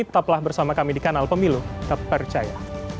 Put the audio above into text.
tetaplah bersama kami di kanal pemilu terpercaya